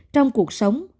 trong cuộc sống